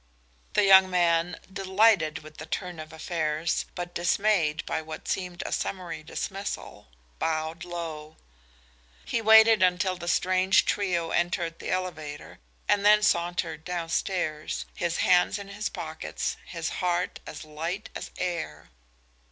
The young man, delighted with the turn of affairs, but dismayed by what seemed a summary dismissal, bowed low. He waited until the strange trio entered the elevator and then sauntered downstairs, his hands in his pockets, his heart as light as air.